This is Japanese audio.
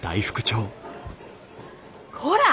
こら！